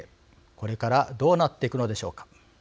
これからどうなっていくのでしょうか。